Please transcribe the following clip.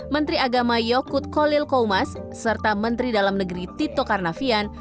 menteri agama yokut kolil koumas serta menteri dalam negeri tito karnavian